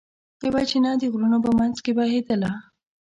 یوه چینه د غرونو په منځ کې بهېدله.